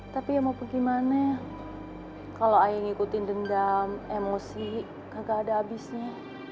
tapi emang gimana kalau ayah ngikutin dendam emosi gak ada abisnya